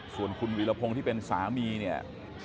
ส่วนคุณวีรพงศ์ที่เป็นสามีเนี่ย